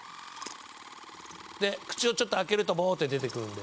で口をちょっと開けるとぼって出てくるんで。